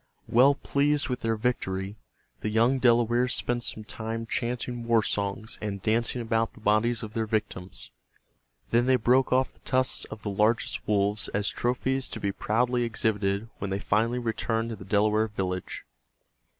Well pleased with their victory, the young Delawares spent some time chanting war songs and dancing about the bodies of their victims. Then they broke off the tusks of the largest wolves as trophies to be proudly exhibited when they finally returned to the Delaware village.